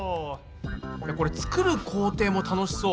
これ作る工程も楽しそう。